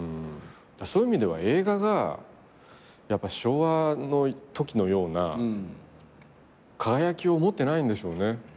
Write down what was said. そういう意味では映画が昭和のときのような輝きを持ってないんでしょうね。